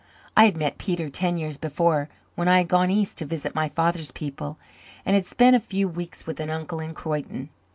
I had met Peter ten years before when I had gone east to visit my father's people and had spent a few weeks with an uncle in Croyden.